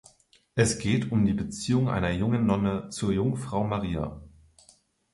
Es geht um die Beziehung einer jungen Nonne zur Jungfrau Maria.